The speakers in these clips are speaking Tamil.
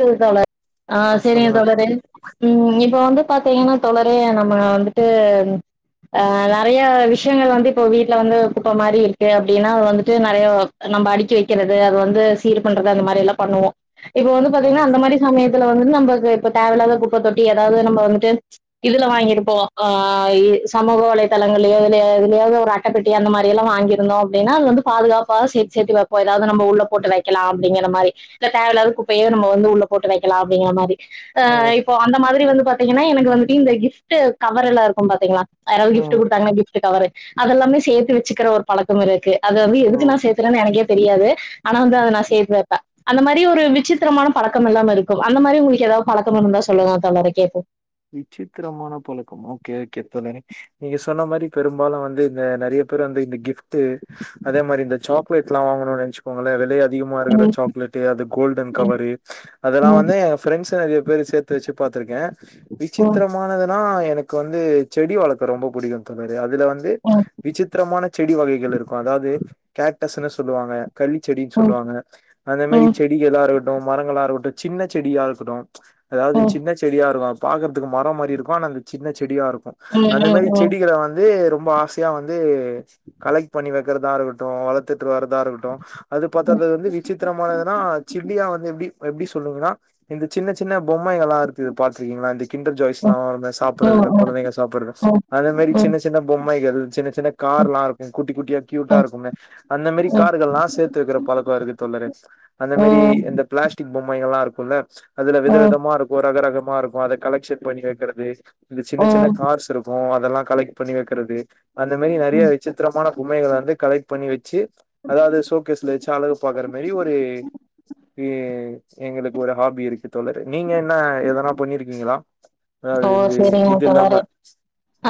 செரி தோழர் ஆ சரிங்க தோழரே உம் இப்ப வந்து பாத்தீங்கன்னா தோழரே நம்ம வந்துட்டு அ நிறய விஸ்யங்கள் வந்து இப்ப வீட்ல வந்து குப்ப மாரிருக்கு அப்டினா வந்துட்டு நிறய நம்ம அடிக்கி வைக்கிறது அது வந்து சீர் பண்றது அந்த மாரியெல்லாம் பண்ணுவோம் இப்ப ஆ பாத்தீங்கன்னா அந்த மாரி சமயத்துல வந்து நம்பக்கு இப்ப தேவையில்லாத குப்ப தொட்டி ஏதாவது நம்ம வந்துட்டு இதுல வாங்கிருப்போம் ஆ சமூக வலைதளங்கலையோ இல்ல எதிலையாது ஒரு அட்ட பெட்டி அந்த மாதிரி எல்லா வாங்கிருந்தோம்ப்படின்னா அது வந்து பாதுகாப்பா சேரு சேர்த்து வைப்போம் ஏதாவது நம்ம உள்ள போட்டு வைக்கலாம் அப்படிங்கிற மாதிரி இ தேவலாத கு ப்பையோ நம் வந்து உள்ள போட்டு வைக்கலா அப்படிங்க மாதிரி ஆ இப்போ அந்த மாதிரி வந்து பாத் பாத்தீங்கன்னா எனக்கு வந்துட்டு இந்த கிப்ட் கவர் எல்லா இருக்கும் பாத்தீங்களா யாரது கிப்ட் ம் கொடுத்தா கிப்ட கவர் அதெல்லாமே சேர்த்து வச்சக்கிற ஒரு பழக் கம் இருக்கு அது வந்து ஓ எதுக்கு எ நா சேத்தன் எனக்கே தெரியாது ஆனா வந்து அத நா செய்யக் கூடாது அந்த மாரி ஒரு விசித் த்திரமான பழக்கம் எல்லாம் இருக்கு அந்த மாரி உங்களுக்கு எதாவ்து பழக்கம் இருந்தா சொல்லுங்க தோழரே கேப்போ விசித்திரமான பழக்கம் ஓகே ஓகே தென்னனா நீங்க சொன்ன மாரி பெரும்பாலு வந்து இந்த நெறைய பேரு வந்து இந்த கிஃப்ட்டு அதே மாரி இந்த சாக்லேடெல்லா வாங்கணுனு நெனச்சுக்கோங்களே வெலய அதிகமா இருக்கிற ம், சாக்லேட்டு அது கோல்டன் ம், கவரு அதெல்லா ம், தா எ ஃப்ரெண்ட்ஸு நெறைய பேரு சேத்து வச்சு பா்த்திருக்கே ம், சித்திரமானதுனா ஆஹ் எனக்கு வந்து செடி வளக்க ரொம்ப புடிக்கு தோழி அது அதுல வந்து ம், ம், விசித்திரமான செடி வகைகள் இருக்கு அதாவ்து கேட் டஸுனு சொல்லுவாங்க கள்ளி செடின் சொல்லுவாங்க அந்த மாரி ம், செடிகளாருக்க ட்டு மரங்களா இருக்கட்டு சின்ன செடியா இருக்கட்டு அதாவ்து ம், சின்ன செடியா இருந்தா பாக்கறதுக்கு மர மாரி இருக்கு ஆன அங்க சின்ன செடியா இருக் கு ம், ம், அந்த ம், மாரி செடிகள வந்து ரொ ம்ப ஆசையா வந்து கலெக்ட் பண்ணி வைக்கிறதா இருக்கட்டு வளத்துட்டு வர்ரதா இருக்கட்டு அது பாத்தா அது வந்து விசித்திரமானதுனா சின்னதா வந்து எப்டி எப்டி சொல்லுங்கனா இந்த சின்ன சின்ன பொம்மங்கள்லா இருக்குது பாக்க உம் வந்து கிண்டர் ஜாய்ஸ்லா அது மாரி சாப்பிட்றது ம், இந்த ம், கொழந்தைங்க சாப்பட்றது ம், அந்த மாரி ம், ம், ம், சின்ன சின்ன பொம்மைகள் சின்ன சின்ன கார்லா இருக்கு குட்டி குட்டியா ம், க்யூட்டா இருக்குங்க அந்த மாரி ம், கார்கள்லா சேத்து வக்கிற பழக்க இருக்கு தோழரே அந்த மாரி இந்த பிளாஸ்டிக் பொம்மைகள்லா இருக் என்னாச்சு அதுல ம். விதவிதமா இருக்கு ரகரகம் மாறும் நா அத கலெக்ஷன் பண்ணி வைக்கிற ப்ளீஸ் இந்த சின்ன சின்ன ம். கார்ஸ் இருக்கு அதெல்லா கலெக்ட் பண்ணி வக்கிறது அந்த மாரி நெறைய விசித்திரமான பொம்மைகள வந்து கலெக்ட் பண்ணி வச்சு அதாவ்து சோகேஸ்ல வச்சு அழகு பாக்குற மாரி ஒரு உம் எங்களுக்கு ஒரு ஹாபி இருக்கு தோழரே நீங்க என்ன எதனா இருக்கீங்களா ஓ சேரிங்க தோழரே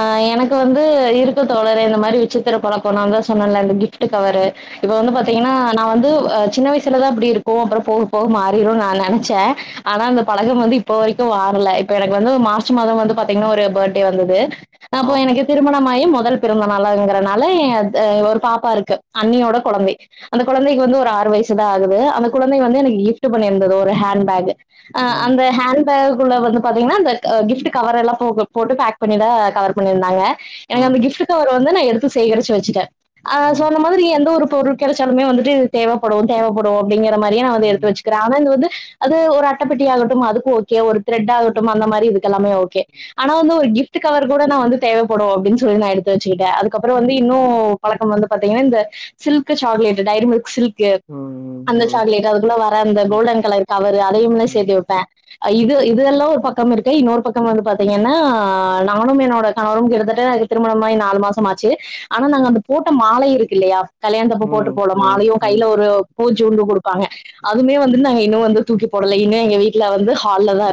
ஆஹ் எனக்கு வந்து இருக் கு தோழரே இந்த மாரி விச்சத்திர பழக்கம் நா தா சொன்னேல இந்த கிஃப்ட்டு கவரு ப்ப வந்து அ பாத்தீங்கன்னா நா வந்து ஆ சின்ன வயசுலதா அப்டி இருக்கோ அப்பற போக போக மாறிரோனு நா நெனச்சே ஆனா அந்த பழகம் வந்து இப்போ வரைக்கு வாரல இப்ப எனக் வந்து மார்ச் மாத வந்து பாத்தீங்னா ஒரு பர்த்டே வந்தது ஆ அப்போ எனக்கு திருமணம் ஆயி மொ தல் பிறந்த நாளாயெங்கிறனால ஏ த ஒரு பாப்பா இருக்கு அண்ணியோட கொழந்தை அந்த கொழந்தைக்கு வந்து ஒரு ஆறு வயசுதா ஆகுது அந்த கொழந்தை வந்து எனக்கு கிஃப்ட் பண்ணிந்த ஒரு ஹேன்ட் பேக்கு ஆ ம் அந்த ஹேன் பேக்குக் குள்ள வந்து பா தீங்னா அந்த க கிஃப்ட்டு கவரெல்லா போக போட்டு பேக் பண்ணிதா கவர் பண்ணியிருந்தாங்க எனக்கு அந்த ம் கிஃப்ட் கவர் வந்து நா எடு து சேகரச்சு வச்சுட்டே ஆ ம் சொன்ன மாதிரி எந்த ஒரு பொருள் கெளச்சாலுமே வந்துட்டு இது தேவப்படோ தேவப்படோ டிங்கிற மாரியே நா வந்து எடுத்து ம் வெச்சுக்கிறே ஆனா இங்க வந்து அது ஒரு அட்டப்பெட்டி ஆகட்டும் அதுக் ஓகே ஒரு த்ரெட் ஆக டும் அந்த மாரி இரு கெல்லாமே ஓகே ஆனா வந்து ஒரு கிஃப்ட் ட் கவர் கூட நா வந்து தேவப்படோ அப்டின்னு சொ சொ நா எடுத்து வச்சுகிட்டே ம் அதுக்கப்பறோ வந்து ன்னோ பழக்கம் வந்து பாத்தீங்னா இந்த silk chocolate dairy milk silk கே ம் ம் அந்த சாக்லேட்டு அதுக்குள்ள வர அந்த ம் கோல்டன் கலர் கவர் அதையும்ல்லே ம் சேர்த்து வைப்பேன் அ இது இது அல்லோ பக்கம் இருக்கை இன்னொரு பக்கம் வந்து பாத்தீங்கன்னா நானும் என்னோட கணவரும் கிட்டத்தட்ட இது திருமணம் ஆயி நாலு மாசம் ஆச்சு ஆனா நாங்க அந்த போட்ட மாலை இருக் ல்லேயா கல்யாண் தப்ப போட்டு ம் போல ம் ம் மாலையு ம் கைல ஒரு ஒ பூச்சுண்டு குடுப்பாங்க அதுமே வந்துந் நாங்க இன்னோ வந்து தூக்கி போடலை இங்கே எங்க வீட்ல வந்து ஹால்லதா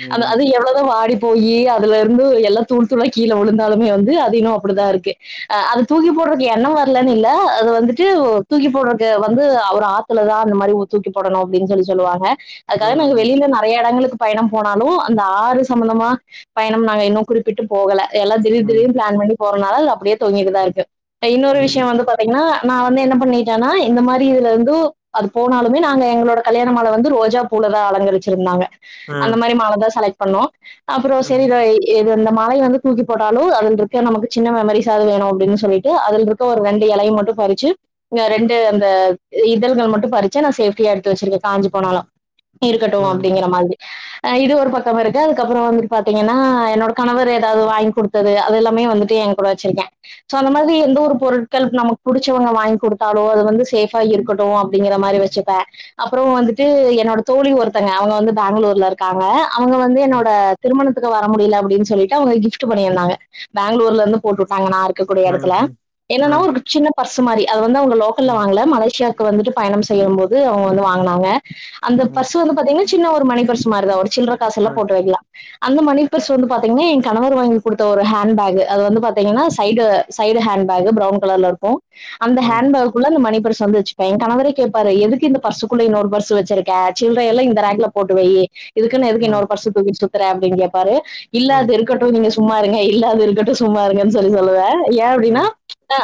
ம் அந்த அது எவ்ளோதா வாடி போயி அதுல இருந்து எல்லா தூள் தூளாய் கீழ உழுந்தாலுமே வந்து அது இனோ அப்புடுதா இருக்கே ஆ அது தூக்கி போட்றக் எண்ணோ வர்லன்னு இல்ல அது வந்துட்டு ஓ தூக்கி போட்றக்கே வந்து அவுர ஆத்துலதான் இந்த மாரி ஒ தூக்கி போடணோ அப்டின்னு சொல்லி சொல்லுவாங்க அதுகாக நாங்க வெளில நறைய இடங்களுக் பயணம் போனாலு அந்த ஆறு சம்பந்தமா பயணம் நாங்க இன்னோ குறிப்பிட்டு போகல எல்லா திடீர் ம் ம் ம் திடீர்னு பிளான் பண்ணி போறனால லா அப்டே தொங்கிட்டுதா இருக்கு ம் ம் ன்னோரு ம் ம் ம் விஷ்யம் வந்து பாத்தீங்னா நா வந்து என்ன பண்ணிட்டேனா இந்த மாரி இதுல இர்ந்தூ அது போனாலுமே நாங்க எங்களோட கல்யாண மால வந்து ரோஜா பூலதா அலங்கரிச்சிருந்தாங்க அந்த மாரி மால தா செலகட் பண்ணுவோ அப்புறோ சேரி ர எது வந்த மலைய வந்து தூக்கி போட்டாலு அதுல இருக்க நமக்கு சின்ன மெமரிஸ் ஆவது வேணு அப்டின்னு சொல்லிட்டு அதுல இருக்க ஒரு ரெண்டு எலைய மட்டு பறிச்சு அ ரெண்டு அந்த இதழ்கள் மட்டு பறிச்சு நா சேஃப்டியா எடுத்து வச்சிருக்கே காஞ்சு போனாலு இருக்கட்டு அப்டிங்கிற மாதிரி அஹ இது ஒரு பக்கம் இருக்க அதுக்கப்புறோ வந்துட்டு பாத்தீங்கன்னா என்னோட கணவர் ஏதாவது வாங்கி குடுத்தது அது எல்லாமே வந்துட்டு எ கூட வச்சிருக்கே சோ அந்த மாதிரி எந்த ஒரு பொருட்கள் நமக்கு புடிச்சவங்க வாங்கி குடுத்தாலோ அது வந்து சேஃபா இருக்கணு டும் அப்டிங்கிற மாரி ம் ம் வெச்சுப்ப அப்புறோ வந்துட்டு என்னோட தோழி ஒருத்தங்க அவங்க வந்து பெங்களூர் இல இருக்காங்க அவங்க வந்து என்னோட திருமணத் ட்டுக்க வர முடியல அப்டின்னு சொல்லிட்டு அவங்க கிஃப்ட் பண்ணி இருந்தாங்க பேங்களூர்ல இருந்து போட்டு உட்டாங்க நா இரு இருக்க கூடிய எடத்துல என்னன்னா ஒரு சின்ன பர்சு மாரி அது வந்து அவங்க ம் லோக்கல்ல ம் வாங்கல மலேசியா க்கு வந்துட்டு பயணம் செய்யும் போது அவங்க வந்து வாங்குனாங்க அந்த ம் ம் ம் பர்சு வந்து பாத்தீங்கன்னா சின்ன ஒரு மணி பர்சு மாரிதா ஒரு சில்லற ம் ம் ம் ம் ம் ம் காசு ம் எல்லா போட்டு வெக்கிலா அந்த மணி பர்ஸ் வந்து பாத்தீங்கன்னா எ கணவர் வாங்கி குடுத்த ஒரு ஹேண்ட் பேக்கு அது வந்து பாத்தீங்கன்னா side side handbag brown கலர்ல இருக்கு அந்த ஹேண் பேக்குள்ள அந்த மணி பர்சு சந்து வச்சுப்பே எ கணவரே கேப்பாரு எதுக்கு இந்த பர்ஸு குள்ள இன்னொரு பர்ஸ் வச்சிருக்க சில்ரை எல்லா இந்த ரேக்ல போட்டு வையி இதுக்குனு எதுக்கு இன்னொரு பர்ஸ தூக்கிட்டு சுத் த்ர அப்டின்னு கேப்பாரு இல்ல அது இருக்கட்டு நீங்க சொ சும்மா இருங்க இல்லாது இருக்கட்டு சும்மா இருங்கறன்னு சொல்லி சொல்லுவே ஏ அப்டின்னா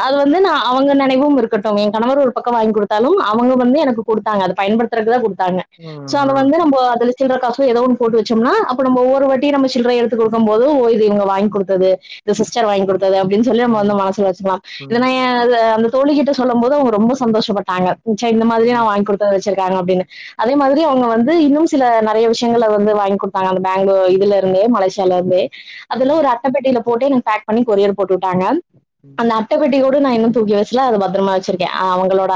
அது வந்து நா அவங்க நெனைவும் இருக்கட்டும் எ கணவரு ஒரு பக்க வாங்கி குடுத்தாலு அவங்க வந்து எனக்கு குடுத்தாங்க அது பயன்படுத்துறக்குத குடுத்த தாங்க ம் சோ அத வந்து நம்ம அதுல சில்ர காசோ எதோ ஒன்னு போட்டு வச்சோம்னா அப்போ நம்ம ஒவ்வொருவாட்டி நம்ம சில்ர எடுத்து கொடுக்கும் போதும் ஓ இது இவங்க குடுத்தது இது சி்ஸ்டர் வாங்கி குடு தது அப்டின்னு சொல்லி நம்ம வந்து மனசுல வச்சிக்கலா இல்லன்னா [unintelligible] தோழிக்கிட்ட சொல்லம் போது அவங்க ரொம்ப சந்தோஷப்பட்டாங்க சரி இந்த மாரி நா வாங்கி கொடுத்து அனுப்புச்ச தாங்க அப்டின்னு அதே மாதிரி அவங்க வந்து இன்னும் சில நா நெறய விஷயங்கள வந்து வாங்கி குடுத்தாங்க அந்த பேங்ளூர் இதுல இருந்து மலேசி சியால இருந்து அதெல்லா ம் ஒரு அட்டபெட்டியில போட்டு எனக்கு பேக் பண்ணி கொரியர் போட்டு வுட்டாங்க ம் அந்த அட்டப்பெட்டி கூட நா இன்னு தூக்கி வச்சி அத பத்தரமா வச்சிருக்கே அவங்களோட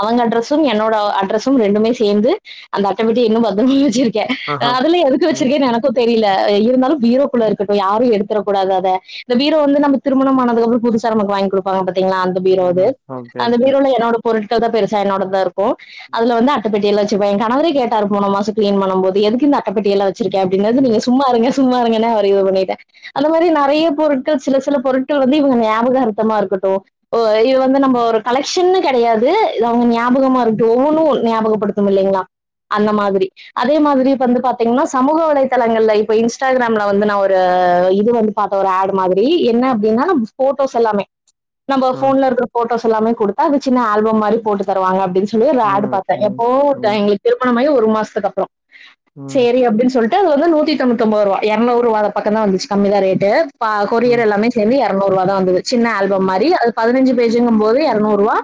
அவங்க அட்ரசும் என்னோட அட்ரசும் ரெண்டுமே சேந்து அந்த அட்டபெட்டி இன்னு பத்தரமா வச்சிரு க்கே ஆஹா அதெல்லா எதுக்கு ம் வச்சிருக்கேனு எனக்குத் தெரியல அ இருந்தாலு பீரோக்குள்ள இருக்கட்டு யாரு எடுத்தரக் கூடாது அத இந்த பீரோ வந்து நம்ம திருமணமானதுக்குப்றோ புதுசா நமக்கு வாங்கி குடுப்பாங்க பாத் தீங்களா அந்த பீரோ இது ம். ஓகே, அந்த ஓகே. பீரோல என்னோட பொருட் [unintelligible] பெருசா என்னோட தா இருக் க்கு அதுல வந்து அட்டபெட்டி எல்லா இப்ப எ கணவரே கேட்டாரு போன மாச கிளீன் பண்ண போது எதுக்கு இந்த அட்டப்பெட்டியெல்லா வச் ச்சிருக்கே அப்டினது ம். நீங்க சும்மாருங்க சும்மாருங்கனு அவர இது பண்ணிட்டே அந்த மாரி நெறய பொருட்கள் சில சில பொருட்கள் வந்து இவங்க ஞாபக அர்த்தமா இருக்கட்டு ஓ இது வந்து நம்ம ஒரு கலெக்ஷன்னு கெடயாது இது அவங்க ஞாபகமா இருக்டு ஒவ்வன்னூ ஞாபகப்படுத்து இல்லங்களா அந்த மாதிரி அதே மாதி ரி இப்ப வந்து பாத்தீங்ன்னா சமூக வலைதளங்கள்ல இப்ப இன்ஸ்டாகிராம்ல வந்து நா ஒரு இது வந்து பாத்தே ஒரு ஆட் மாதிரி என்ன அப்டின்னா போட்டோஸ் எல்லாமே நம்ம ம். போன்ல இருக்கிற போட்டோஸ் எல்லாமே குடு த அது சின்ன ஆல்பம் மாரி போட்டு தருவாங்க அப்டின்னு சொ சொல்லி ஒரு ஆட் ம். பாத்தே ம். எப்போ ம். எங்களுக்கு திருமண மாயி ஒரு மாசத் அதுக்கப்றோ செரி அப்டின்னு சொல் ட்டு அது ஒரு நூத்தி தொண்ணூதி ஒம்போதுரூபா எற்நூறுவா பக்கம்தா வந்துச்சு கம்மி தா ரேட்டு ஆ கொரியர் ம். எல்லாமே சேந்து எரநூறுவா தா வந்தது சின்ன ஆல்பம் ம். ம். ம். மாரி அது பதினஞ்சு பேஜிங்குபோது எரநூறுவா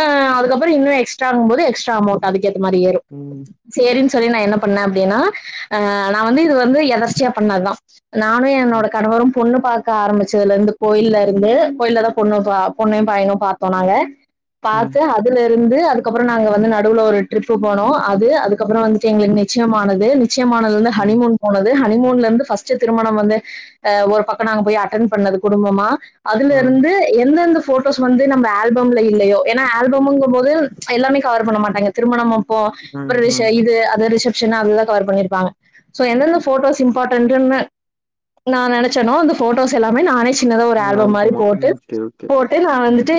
ஆ அதுக்கப்பறோ இன்னு எஸ்ட்ரா ஆகும்போது எஸ்ட்ரா அமவுண்ட் அதுக்கே மாரி ஏறும் சேரின் சொல்லி நா என்னப் பண்ணே அப்டின்னா ஆஹ் நா வந்து இது வந்து எதர்ச்சியா பண்ணது தா நானு என்னோட கணவரும் பொண்ணு பாக்க ஆரம்பிச்சதுல இருந்து கோயில்ல இருந்து கோயலதா பொண்ணு பொண்ணையு பயனு பாத்தோ நாங்க ம். ம். பாதது அதுல இரு ந்து அதுக்கப்புறோ நாங்க வந்து நடுவுல ஒரு ட்ரிப் போனோ அது அதுக்கப்பறோ வந்துட்டு எங்கள நிச்சியமானது நிச் நிச்சியமானதுலிருந்து ம். ஹனிமூன் போனது ஹனிமூணுல இருந்து பஸ்ட் திருமணம் வந்து அஹ் ஒரு பக்கம் நாங்க போய் அட்டென் பண்ணது குடும்பமா அதுல ம். இருந்து எந்தெந்த போட்டோஸ் வந்து நம்ம ஆல்பம்ல இல்லையோ ஏன்னா ஆல்பமுங்கும் போது எல்லாமே கவர் பண்ண மாட்டாங்க திருமணமும் இப்போ ஒரு ம். ரிஷ ம். இது அத ரிஷ ரிஷ அதுதா கவர் பண்ணிருப்பாங்க சோ எந்தெந்த போட்டோஸ் இம்போர்ட்டண்டுனு நா நெனைச்சனோ அந்த போட்டோஸ் எல்லாமே நானே சின்னத ஒரு ஆல்பம் மாரி ஆல்பமா. போட்டு ம். Okay, okay. போட்டு நா ம். வந்துட்டு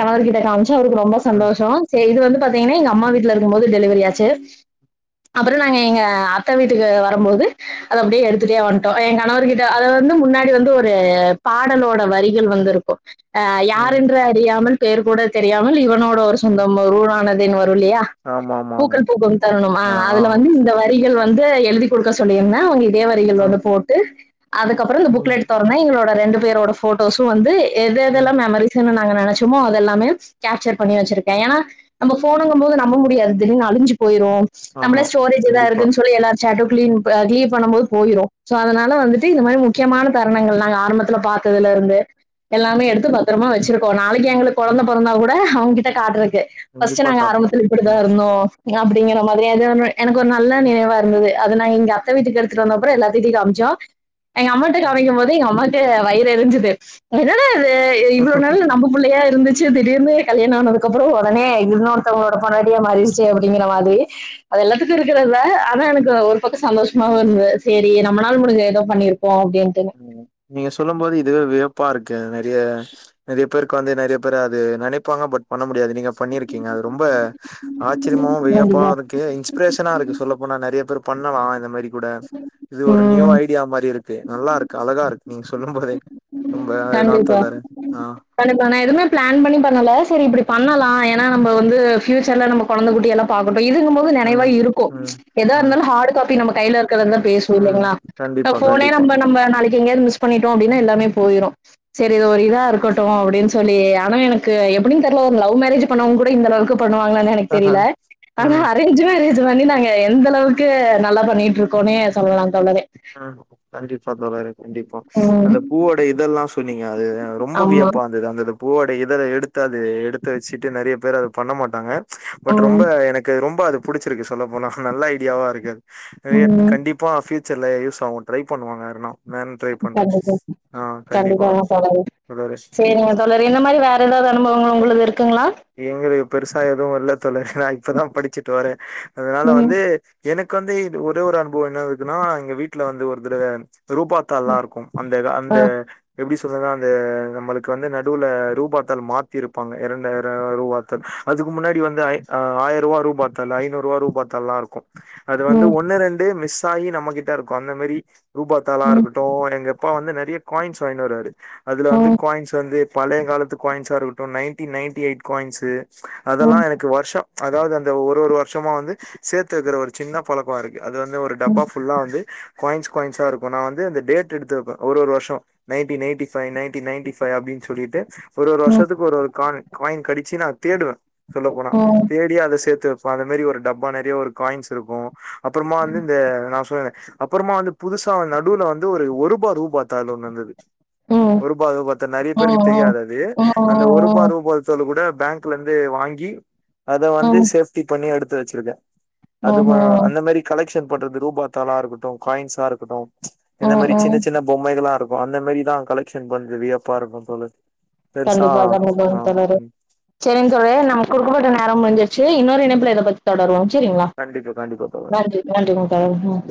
கணவர்கிட்ட காம்சி ச்ச அவருக்கு ரொம்ப ம். சந்தோஷோ சே இது வந்து பாத்தீங்கன்னா எங்க அம்மா வீட்டுல இருக்கும்போது டெலிவரி ஆச்சு அப்புற நாங்க எங்க அத்த வீட்டுக்கு வரும்போது அத அப்டியே எடுத்துட்டே வந்துட்டோ எ கணவர்கிட்ட அத வந்து முன்னாடி வந்து ஒரு பாடலோட வரிகள் வந்து இருக்கு அ யார் ம். என்று அறியாமல் பெயர் கூட தெரியாமல் இவனோடு ஒரு ம். சொந்தம் [unintelligible] [unintelligible] ரு இல்லையா பூக்கள் பூக்கும் தரணும் ஆ அதுல வந்து இந்த வரிகள் வந் ந்து எழுதி கொடுக்க சொல்லியிருதே அவங்க தே வரிகள் ஆ. வந்து போட்டு அதுக்கப்புற இந்த ம். புக்லெட் தொறந்தா எங்களோட ரெண்டு பேரோட போட்டோஸும் வந்து எது ம். எதெல்லாம் மெமரிஸ்ன்னு நா நாங்க நெனைச்சோமோ அதெல்லாமே கேப்சர் பண்ணி வச்சிருக்கே ஏன்னா நம்ம ஃபோனங்கும் போது நம்ப முடியாது திடீன்னு அழஞ்சு போயிரு நம்ள ஆமா. ஸ்டோரேஜ்த கண்டிப்பா. இருக்குன்னு சொல்லி எல்லா செட்டும் கிளீன் கிளெயர் பண்ணும் போது போயிரு சோ அதனால வந்துட்டு இந்த மாரி முக்கியமான தருணங்கள் நாங்க ஆரம்பத்துல பாத்ததுல இருந்து எல்லாமே எடுத்து பத்திரமா வச்சிருக்கோனா நாளைக்கு எங்களுக்கு ம், கொழந்த பொறந்தா கூட அவ்கிட்ட காட்டறக்கு து பஸ்ட் கண்டிப்பா நாங்க காட்டலாம். ஆரம்பத்துல இப்டிதா ம். இருந்தோ எ அப்டிங்கற மார் சரி ஏதோ ஒண்ணு எனக் ஒர் நல்ல நினைவா இருந்தது அது நா இங்க அத்தெ வீட்டுக்கு எடுத்துட்டு வந்த அப்புறொ எல்லாதிடியு காம்சோ எங்க அமாட்டே ம். காமிக்கு போது எங்க அம்மாத் த்து வயிறு எரிஞ்சிது என்னடா இது இவ்ளோ நாளா நம்பபுள்ளேயே இருந்துச் சி திடீர்னு கல்யாண ஆனதுக்கப்புறோ உடனே இன்னொத்தவங்ளோட பொண்டாட்டிய மாறிருச்சு சே அப்டிங்கிற மாரி அது எல்லாத்துக்கு இருக்கிறர்தா ஆனா எனக்கு ஒரு பக்கொ சந்தோஷ்மாவுருந்து சேரி நம்ம நாள் முடிஞ்செ எதோ பண்ணிருக் ம் நீங்க சொல்லு போது இதுவே வியப்பா இருக் கு நறிய நெறயெப்பேர் உக்காந்து நெறயெ பேரெ அது நெனைப்பாங்க பட் பண்ண முடியாது நீங்க பண்ணிருக்கீங்க அது ரொம்ப ஆச்சரியமாவு கண்டிப்பா வியப்பாருக்கு இன்பிரேஷனாருக்கு சொல்லப்போனா நறிய பேர் பண்ணலா இது மாரி ஸுடன்ஸ் இது ஒரு நியூ உம் ஐடியா மாரி இருக் நல்லாருக் அழகாருக் நீங் சொல்லும் போதே ரொம்ப அதா கண்டிப்பா தோழரே ஆ கண்டிபா நா எதுமே பிளான் பண்ணி பண்ணல செரி இப்பிடி பண்ணலா எ னா நம்ம வந்தூ ஃபியூச்சர்ல நம்ம கொழந்த குட்டியல்லா பாக்குனு இதுங்கும் போது நெனைவா ம் இருக்கு ம் எதா ம் இருந்தாலு ஹாடு காப்பி நம்ப கையிலெருக்கரந்தா பேசுவு ம் இல்லைங்ளா அ கண்டிப்பா போனே கண்டிப்பா நம்ப நம்ப நாளைக் எங்கயாது மிஸ் பண்ணிட்டோ அப்டினா எல்லாமெ போயிரு செரி இது ஒரு இதாருக்கட்டு அவுடின் சொல்லீ அனா எனக்கூ எப்பிடின் தெர்ல ஒர் லவு மேரேஜ் பண்ணவங் குட இந்தளவுக்குப் பண்ணுவாங்களான் எனக் ஆஹ தெரில ம் அனா அரேஞ்ச் மேரேஜ் இது வந்து நாங்க எந்தளவுக்கு நல்லா பண்ணிட்டுருக்கோமே சொல்லா தோழறே ஆஹ் கண்டிப்பா தோழரே கண்டிப்பா ம். அந்த பூவோட இதெல்லா சொன்னிங் ஏ அதுதா ரொம்போ ஆமா. வியப்பாந்தது அந்ததுப் பூவோட இதழெ எடுத்தாது எடுத்து வச்சிட்டு நறயெ பேர் அத பண்ண மாட்டாங்க பட் ரொம்ப ம். எனக்கு ரொம்ப அது புடிச்சிருக்கு சொல்ல போனா நல்லா ஐடியாவாருக்காது அஹ் ஏத் ம். கண்டிப்பா ஃபிச் செர்லே யூஸ் ஆவு ட்ரைப் பண்ணுவாங்க வேறனா [unintelligible] கண்டிப்பா கண்டிப்பாக தோழரே தோழரே. சரி தோழரே இது மாரி வேற அனுபவங்கள் எதாவது உங்களுது இருக்குங்களா எங்கிளுக் பெருசா எதுவு இல்ல தோழற் நா இப்பதா படிச்சிட்வரே அதனால ம் வந்து எனுக் உட்காந்தே இந்த ஒரே ஒர் அனுபுவ என்னாருக்குனா எங்க வீட்ல வந்து ஒர் தடவ ரூபாத்தால்லாருக்கு அந்ததா அ அந்த எப்டிஸ் சில்றனா அந்தே நம்முளுக்கு வந்து நடூல ரூபாத்தால் மாத்திருப்பாங்க இரண்டாயிர் ரே ரூவாத்தள் அதுக்கு முன்னாடி வந்து ஐ ஆஹ் ஆயிருவா ரூபாத்தால் ஐநூறுவா ரூபா ரூபாத்தால்லாருக்கு அது வந்து ம் ஒன்னு ரெண்டு மிஸ் தாயி நம்மகிட்ட இருக்கு அந்த மாரி ரூபாத்தாலா ம் இருக்கட்டு எங்க எப்பா வந்து நெட் பெரிய காயின்ஸ் வாங்கின்னு வராரு அதுல வந்து ம் காயின்ஸ் வந்து பழைய காலத்து காயின்ஸா இருக்கட்டு நைன்டி நைன் எயிட் காயின்ஸு ம் அதெல்லா ம் எனக்கு வருஷோ அதாவது அந்த ஒரு ஒரு வருஷமா வந்து சேத்து வெக்கிற ஒரு சின்ன பழக்கோ இருக்கு அது வந்து ஒரு ம் டப்பா ஃபுல்லா வந்து காயின்ஸ் காயின்ஸா இருக்கு நா வந்து அந்த டேட் எடுத்து வெப்பே ஒரு ஒரு வருஷோ nineteen eighty five nineteen ninety five அப்படனு சொல்லிட்டு ஒரு ஒரு ம் ம் வருஷத்துக்கு ஒரு ஒரு காண் கடிச்சி நா தேடுவ சொல்ல போனா ம் ம் தேடியே அத சேத்து வெப் ஸோ அந்த மாரி ஒரு டப்பா நெறைய ஒரு காயின்ஸ் இருக்கு அப்புறமா வந்து இந்த நா சொன்னே அப்புறமா வந்து புதுசா நடுவுல வந்து ஒரு ஒருபா ரூபா தாள் ஒண்ணு வந்தது ம் ம் ஒருரூபா ரூபாத்தை நெறைய பேருக்கு தெரியாது அது ம் அந்த ஒருபா ரூபா கூட பேங்க்ல இருந்து வாங்கி அதை வந்து சேஃப்டி பண்ணி எடுத் து வெச்சுருக்கே ம் ம் அதுவு அந்த மாரி கலெக்ஷன் பண்றது ரூபா தாளா இருக்கட்டு காயின்ஸா இருக்கட்டு இந்த மாதிரி சின்ன ம் சின்ன பொம்மைகல்லா இருக்கு ப்ப அந்த மாரிதா கலெக்ஷன் பண்ணறது வியப்பா இருக்கு தோழரே கண்டிப்பா கண்டிப்பா தோழரே செரிங்க தோழரே நம் கொடுக்கப்பட்ட நேரோ முடிஞ்சச்சு இன்னொரு இணைப்புல இத பத்தி தொடருவோம் செரிங்களா கண்டிப்பா கண்டிப்பா தோழர் நன்றி நன்றிங்க தோழரே ம்